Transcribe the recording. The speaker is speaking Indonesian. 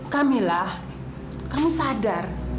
kamila kamu sadar